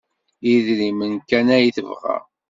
D idrimen kan ay tebɣa.